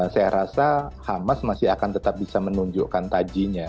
saya rasa hamas masih akan tetap bisa menunjukkan tajinya